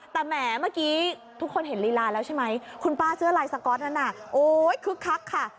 แต่แหมเมื่อกี้ทุกคนเห็นลีลาแล้วใช่ไหมคุณป้าเสื้อลายสก๊อตนั้นน่ะโอ๊ยคึกคักค่ะ